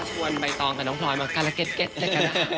ใบตองกับน้องพลอยมาการะเก็ตเก็ตด้วยกัน